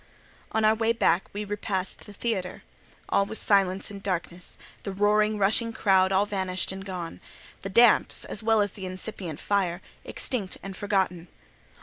On our way back we repassed the theatre. All was silence and darkness: the roaring, rushing crowd all vanished and gone—the damps, as well as the incipient fire, extinct and forgotten.